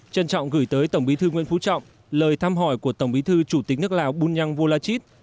chân trọng gửi tới tổng bí thư nguyễn phú trọng lời thăm hỏi của tổng bí thư chủ tịch nước lào bùn nhăng vô la chít